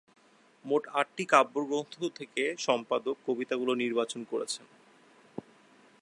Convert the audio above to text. মোট আটটি কাব্যগ্রন্থ থেকে সম্পাদক কবিতাগুলো নির্বাচন করেছেন।